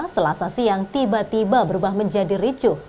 selasa siang tiba tiba berubah menjadi ricuh